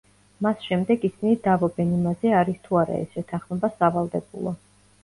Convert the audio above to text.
მას შემდეგ ისინი დავობენ იმაზე, არის თუ არა ეს შეთანხმება სავალდებულო.